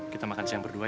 kita makan siang berdua ya